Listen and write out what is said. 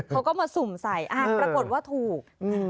เขาก็มาสุ่มใส่ปรากฏว่าถูก